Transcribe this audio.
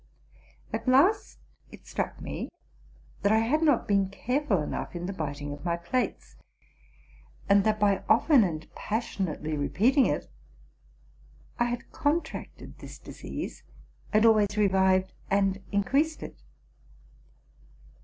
At last it struck me that I had not been careful enough in the biting of my plates, and that, by often and passionately repeating it, I had contracted this disease, and always revived and increased it.